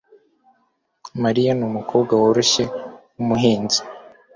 Mariya numukobwa woroshye wumuhinzi